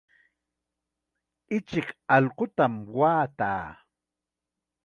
Ichik allqutam waataa.